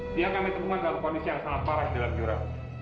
ini yang kami temukan dalam kondisi yang sangat parah di dalam jurang